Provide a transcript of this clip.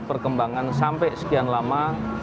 perkembangan sampai sekian lama